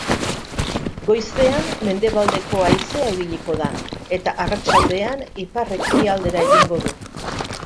Goizean mendebaldeko haizea ibiliko da, eta arratsaldean ipar-ekialdera egingo du.